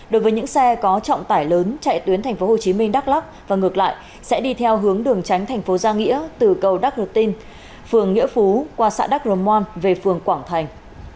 đối với những xe có trọng tải lớn chạy tuyến thành phố hồ chí minh đắk lắk và ngược lại sẽ đi theo hướng đường tránh thành phố giang nghĩa từ cầu đắk rực tinh phường nghĩa phú qua xã đắk rồn môn về phường quảng thành